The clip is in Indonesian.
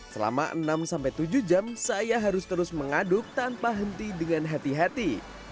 selama enam sampai tujuh jam saya harus terus mengaduk tanpa henti dengan hati hati